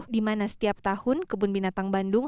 di mana setiap tahun kebun binatang bandung